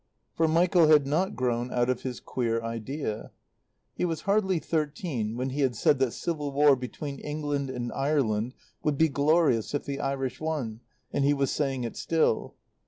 For Michael had not grown out of his queer idea. He was hardly thirteen when he had said that civil war between England and Ireland would be glorious if the Irish won, and he was saying it still.